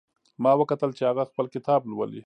ما وکتل چې هغه خپل کتاب لولي